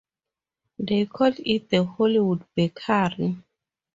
They called it the Hollywood Bakery.